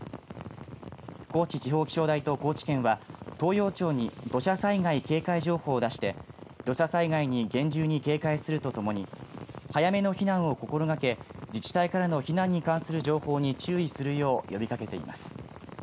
高知地方気象台と高知県は東洋町に土砂災害警戒情報を出して土砂災害に厳重に警戒するとともに早めの避難を心がけ自治体からの避難に関する情報に注意するよう呼びかけています。